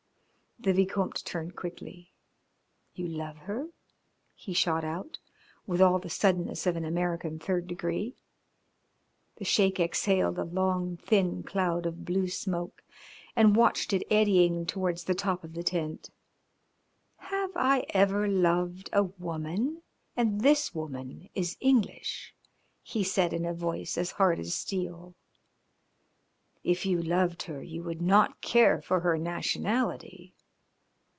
The Vicomte turned quickly. "You love her?" he shot out, with all the suddenness of an American third degree. The Sheik exhaled a long, thin cloud of blue smoke and watched it eddying towards the top of the tent. "Have I ever loved a woman? And this woman is English," he said in a voice as hard as steel. "If you loved her you would not care for her nationality."